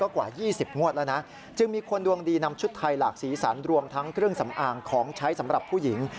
ไข่หลักสีสันรวมทั้งเครื่องสำอางของใช้สำหรับผู้หญิง